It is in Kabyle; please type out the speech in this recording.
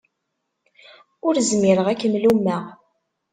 Ur zmireɣ ad kem-lummeɣ.